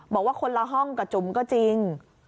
บอกว่าคนละห้องกับจุ๋มก็จริง